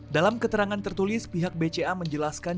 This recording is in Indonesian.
dalam keterangan tertulis pihak bca menjelaskan